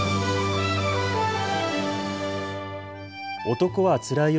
男はつらいよ